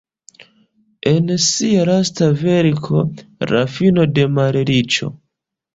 En sia lasta verko "La fino de malriĉo.